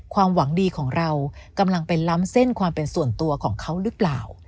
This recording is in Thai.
ความหวังดีของเรากำลังไปล้ำเส้นความเป็นส่วนตัวของเขาหรือเปล่า